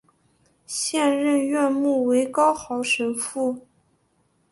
现任院牧为高豪神父。